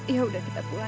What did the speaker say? yaudah kita pulang ya